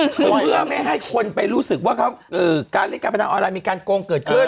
เพื่อไม่ให้คนไปรู้สึกว่าการเล่นการพนันออนไลน์มีการโกงเกิดขึ้น